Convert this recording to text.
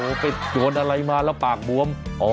ไปโดนอะไรมาแล้วปากบวม